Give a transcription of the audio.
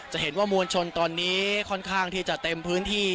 จะเห็นว่ามวลชนตอนนี้ค่อนข้างที่จะเต็มพื้นที่